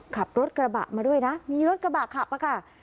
ขับรถกระบะมาด้วยนะมีรถกระบะขับอะค่ะ